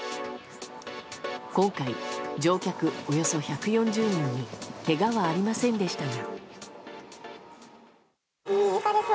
今回、乗客およそ１４０人にけがはありませんでしたが。